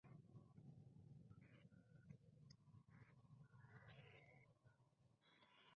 El cuartel general griego se instala en Larissa, que es tomada por los otomanos.